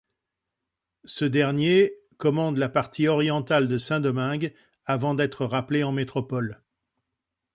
Ce dernier commande la partie orientale de Saint-Domingue avant d'être rappelé en métropole.